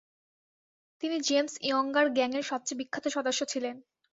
তিনি James Younger gang এর সবচেয়ে বিখ্যাত সদস্য ছিলেন।